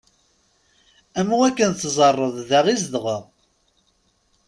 Am wakken teẓẓareḍ da i zedɣeɣ.